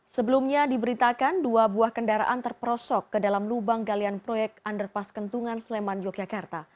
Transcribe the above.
sebelumnya diberitakan dua buah kendaraan terperosok ke dalam lubang galian proyek underpass kentungan sleman yogyakarta